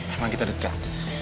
emang kita deket